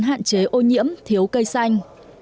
hạn chế ô nhiễm thiếu cây xanh